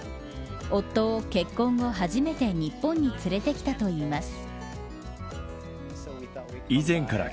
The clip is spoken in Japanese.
夫を結婚後初めて日本に連れてきたといいます。